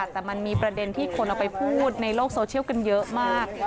แต่มันมีประเด็นที่คนเอาไปพูดในโลกโซเชียลกันเยอะมาก